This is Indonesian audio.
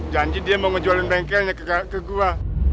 janji dia mau ngejualin bengkelnya ke gua